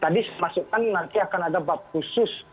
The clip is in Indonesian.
tadi saya masukkan nanti akan ada bab khusus